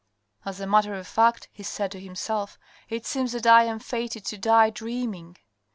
"As a matter of fact," he said to himself, "it seems that I am fated to die dreaming.